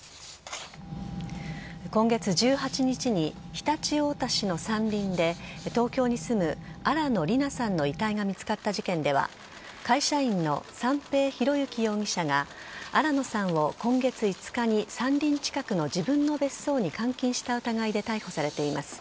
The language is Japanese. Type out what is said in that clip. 今月１８日に常陸太田市の山林で東京に住む新野りなさんの遺体が見つかった事件では会社員の三瓶博幸容疑者が新野さんを今月５日に山林近くの自分の別荘に監禁した疑いで逮捕されています。